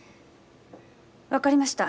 分かりました。